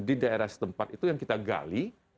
di daerah setempat itu yang kita gali